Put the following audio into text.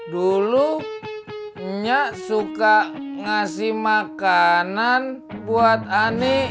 dulu nya suka ngasih makanan buat ani